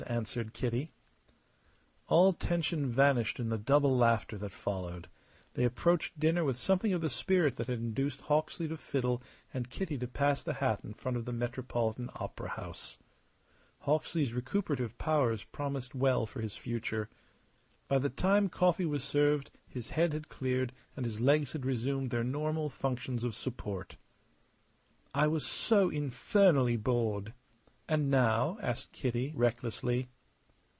answered Kitty. All tension vanished in the double laughter that followed. They approached dinner with something of the spirit that had induced Hawksley to fiddle and Kitty to pass the hat in front of the Metropolitan Opera House. Hawksley's recuperative powers promised well for his future. By the time coffee was served his head had cleared and his legs had resumed their normal functions of support. "I was so infernally bored!" "And now?" asked Kitty, recklessly.